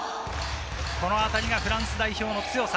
このあたりがフランス代表の強さ。